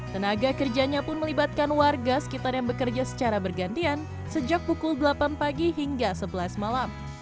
tenaga kerjanya pun melibatkan warga sekitar yang bekerja secara bergantian sejak pukul delapan pagi hingga sebelas malam